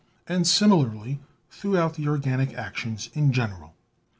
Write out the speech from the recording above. And similarly throughout the or ganic actions in general.